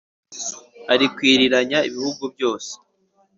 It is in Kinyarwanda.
Irakwiriranya ibihugu byose